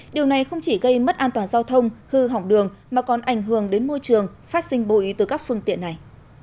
điều này không chỉ gây mất an toàn giao thông hư hỏng đường mà còn ảnh hưởng đến môi trường phát sinh bụi từ các phương tiện này